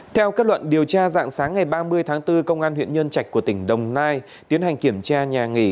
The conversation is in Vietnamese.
theo kết luận điều tra dạng sáng ngày ba mươi tháng bốn công an huyện nhân trạch của tỉnh đồng nai tiến hành kiểm tra nhà nghỉ